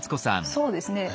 そうですね